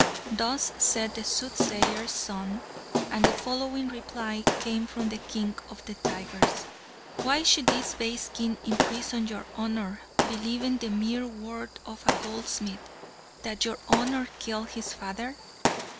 Thus said the Soothsayer's son, and the following reply came from the king of the tigers: "Why should this base king imprison your honour, believing the mere word of a goldsmith that your honour killed his father?